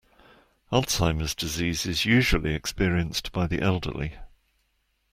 Alzheimer’s disease is usually experienced by the elderly.